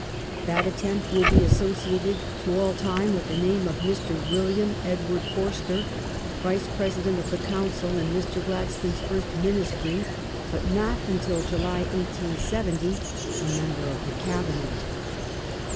That attempt will be associated to all time with the name of Mr. William Edward Forster, Vice President of the Council in Mr. Gladstone's first Ministry, but not until July, 1870, a member of the Cabinet.